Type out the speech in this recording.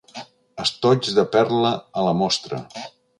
Estoig de perla a la Mostra.